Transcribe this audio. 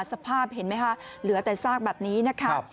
สภาพเห็นไหมคะเหลือแต่ซากแบบนี้นะครับ